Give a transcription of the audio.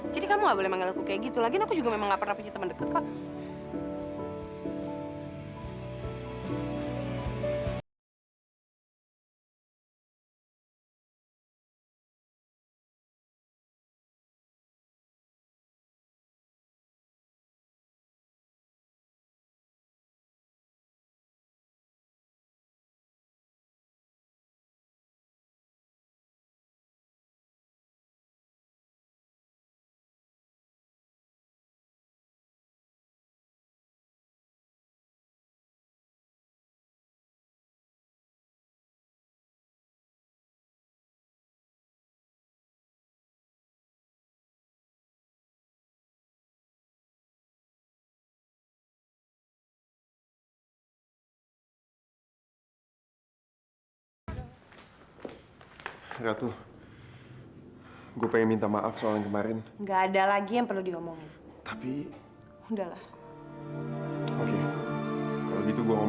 jadi biar gue anter lo untuk terakhir kalinya